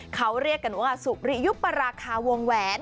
เขาเรียกกันว่าสุริยุปราคาวงแหวน